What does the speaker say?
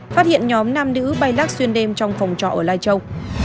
phát hiện nhóm nam nữ bay lắc xuyên đêm trong phòng trọ ở lai châu